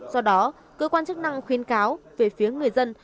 do đó cơ quan chức năng khuyên cáo về phía người dân